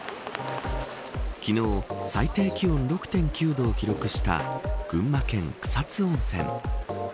昨日最低気温６．９度を記録した群馬県草津温泉。